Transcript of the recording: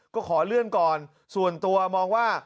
ก็ขอเลื่อนก่อนส่วนตัวมองว่า